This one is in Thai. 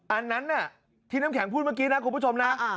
อันนั้นที่น้ำแข็งพูดเมื่อกี้นะคุณผู้ชมนะ